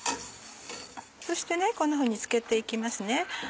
そしてこんなふうに漬けて行きます。